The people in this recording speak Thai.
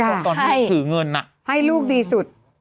แล้วก็ตอนถือเงินให้ลูกดีสุด